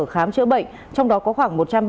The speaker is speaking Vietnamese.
khám chữa bệnh trong đó có khoảng